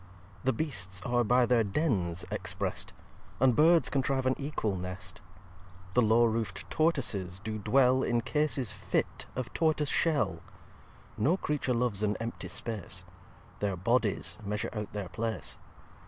The Beasts are by their Denns exprest: And Birds contrive an equal Nest; The low roof'd Tortoises do dwell In cases fit of Tortoise shell: No Creature loves an empty space; Their Bodies measure out their Place.